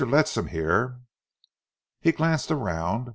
Ledsam here " He glanced around.